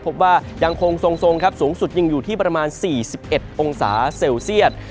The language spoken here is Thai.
พบว่ายังคงทรงครับสูงสุดยังอยู่ที่ประมาณ๔๑องศาเซลเซียต